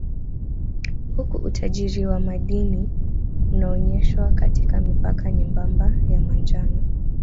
Huku utajiri wa madini unaonyeshwa katika mipaka nyembamba ya manjano